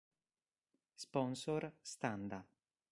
Sponsor: Standa.